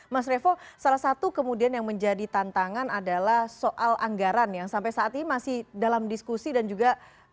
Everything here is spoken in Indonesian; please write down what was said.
mas revo salah satu kemudian yang menjadi tantangan adalah soal anggaran yang sampai saat ini masih dalam diskusi dan juga